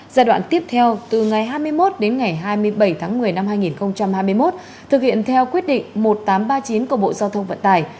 giai đoạn tiếp theo từ ngày hai mươi một đến ngày hai mươi bảy tháng một mươi năm hai nghìn hai mươi một thực hiện theo quyết định một nghìn tám trăm ba mươi chín của bộ giao thông vận tải